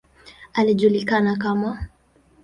Alijulikana kama ""Mt.